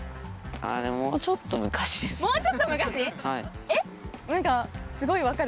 もうちょっと昔？